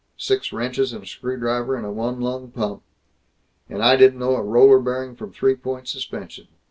Six wrenches and a screwdriver and a one lung pump! And I didn't know a roller bearing from three point suspension!